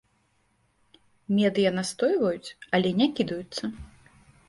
Медыя настойваюць, але не кідаюцца.